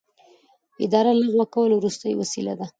اداري لغوه کول وروستۍ وسیله ده.